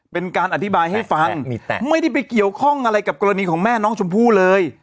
เป็นการอธิบายให้ฟังไม่ได้ไปเกี่ยวข้องอะไรกับกรณีของแม่น้องชมพู่เลย